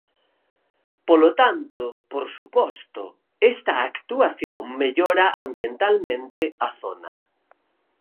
Polo tanto, por suposto, esta actuación mellora ambientalmente a zona.